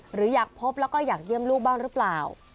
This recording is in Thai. หรืออยากพบแล้วก็อยากเยี่ยมลูกบ้างหรือเปล่า